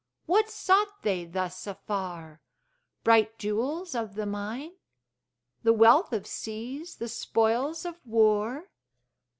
What sought they thus afar? Bright jewels of the mine? The wealth of seas, the spoils of war?